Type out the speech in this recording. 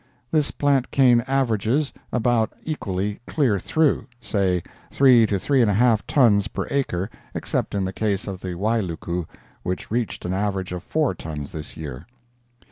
This plant cane averages about equally clear through—say three to three and a half tons per acre except in the case of the Wailuku, which reached an average of four tons this year.